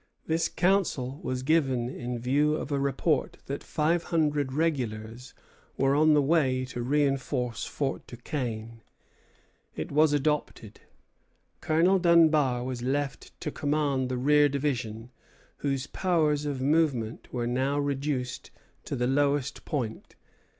This counsel was given in view of a report that five hundred regulars were on the way to reinforce Fort Duquesne. It was adopted. Colonel Dunbar was left to command the rear division, whose powers of movement were now reduced to the lowest point.